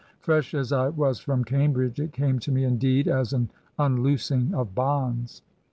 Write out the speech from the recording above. Fresh as I was from Cambridge, it came to me indeed as an unloosing of bonds.